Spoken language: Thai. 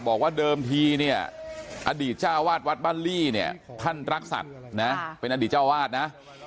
บอกว่าเดิมทีเนี่ยอดีตเจ้าวาดวัดบ้านลี่เนี่ยท่านรักสัตว์นะเป็นอดีตเจ้าวาดนะ